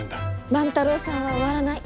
万太郎さんは終わらない！